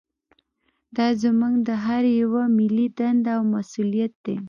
دا زموږ د هر یوه ملي دنده او مسوولیت دی